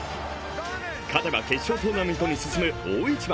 勝てば決勝トーナメントに進む大一番。